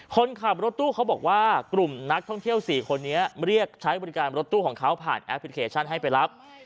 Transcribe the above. คนขับรถตู้เขาบอกว่ากลุ่มนักท่องเที่ยว๔คนนี้เรียกใช้บริการรถตู้ของเขาผ่านแอปพลิเคชันให้ไปรับ